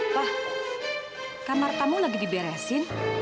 wah kamar tamu lagi diberesin